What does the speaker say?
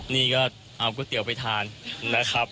นี่ก็เอาก๋วยเตี๋ยวไปทานนะครับ